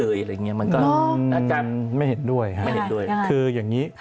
หรืออย่างนี้มันก็อาจารย์ไม่เห็นด้วยค่ะคืออย่างนี้